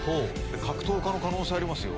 格闘家の可能性あります。